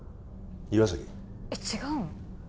岩崎えっ違うの？